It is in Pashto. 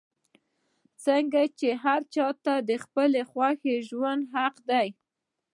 څنګ چې هر چا ته د خپلې خوښې د ژوند حق دے